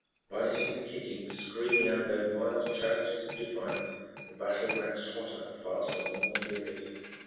Biting, kicking, screaming out their wild challenges of defiance the battle waxed hotter, faster and more furious.